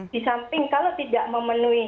di samping kalau tidak memenuhi